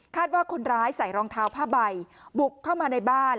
ว่าคนร้ายใส่รองเท้าผ้าใบบุกเข้ามาในบ้าน